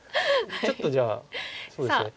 ちょっとじゃあそうですね。